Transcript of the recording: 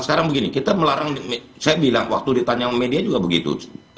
sekarang begini kita melarang saya bilang waktu ditanya sama media juga begitu